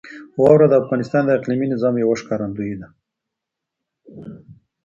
واوره د افغانستان د اقلیمي نظام یوه ښکارندوی ده.